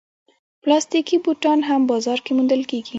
پلاستيکي بوټان هم بازار کې موندل کېږي.